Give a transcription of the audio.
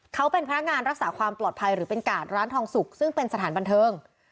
เขาเป็นพนักงานรักษาความปลอดภัยหรือเป็นกาดร้านทองสุกซึ่งเป็นสถานบันเทิง